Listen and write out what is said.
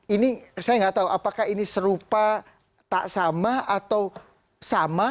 ini saya nggak tahu apakah ini serupa tak sama atau sama